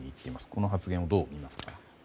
この発言をどう見ますか？